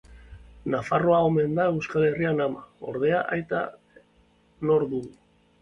Nafarroa omen da Euskal Herriaren ama. Ordea, aita nor dugu?